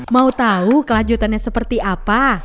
mau tahu kelanjutannya seperti apa